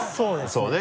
そうね